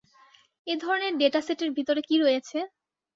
এধরনের ডেটাসেটের ভেতরে কি রয়েছে?